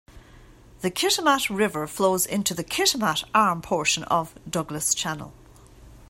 The Kitimat River flows into the Kitimat Arm portion of Douglas Channel.